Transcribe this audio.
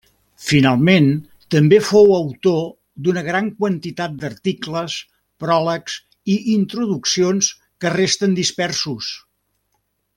Finalment, també fou autor d'una gran quantitat d'articles, pròlegs i introduccions que resten dispersos.